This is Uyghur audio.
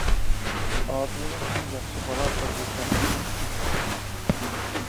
ئادىلنى خېلى ياخشى بالا دەپ يۈرگەن ئىدىم، ئىسىت.